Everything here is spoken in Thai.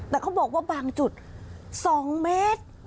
แต่เขาบอกว่าบางจุด๒เมตร